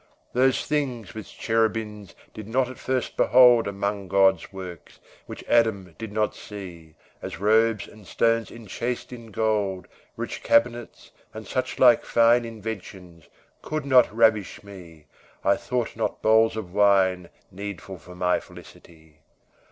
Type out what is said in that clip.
Those things Which cherubins Did not at first behold Among God's works, which Adam did not see As robes, and stones enchased in gold, Rich cabinets, and such like fine Inventions could not ravish me; I thought not bowls of wine Needful for my felicity.